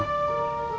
dia cuma bilang